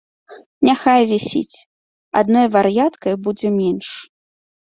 Няхай вісіць, адной вар'яткай будзе менш.